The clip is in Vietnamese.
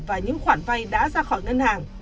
và những khoản vai đã ra khỏi ngân hàng